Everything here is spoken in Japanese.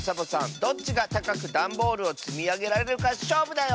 どっちがたかくだんボールをつみあげられるかしょうぶだよ！